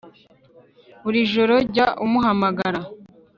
buri joro jya umuhamagara